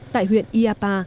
tại huyện iapa